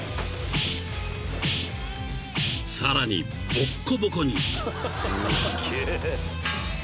［さらにボッコボコに］